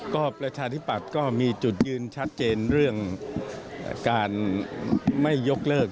ก็ประชาธิปัตย์ก็มีจุดยืนชัดเจนเรื่องการไม่ยกเลิก